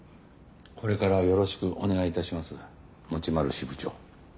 これからよろしくお願い致します持丸支部長。